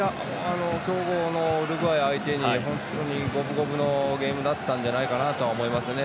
強豪のウルグアイ相手に本当に五分五分のゲームだったんじゃないかなと思いますね。